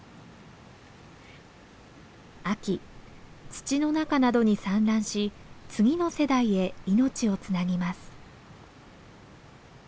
秋土の中などに産卵し次の世代へ命をつなぎます。